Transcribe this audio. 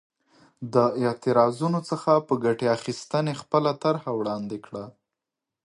د اعتراضونو څخه په ګټې اخیستنې خپله طرحه وړاندې کړه.